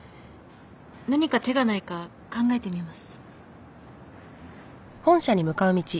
何か手がないか考えてみます。